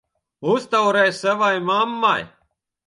Uztaurē savai mammai!